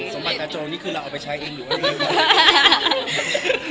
สมบัตินักโจงนี้คือเราเอาไปใช้เองหรือว่าเพลง